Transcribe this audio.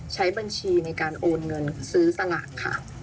ใช้บัญชีในการโอนเงินซื้อสลากค่ะ